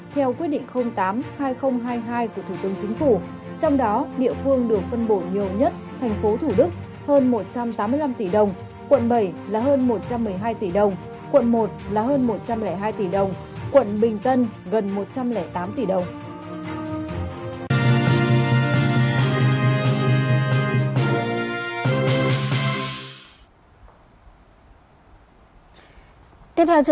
theo đó lĩnh vực đường bộ giảm ba mươi mức thu phí sử dụng đường bộ đối với xe kinh doanh vận tải hành khách